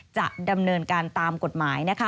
จะดำเนินการตามกฎหมายนะคะ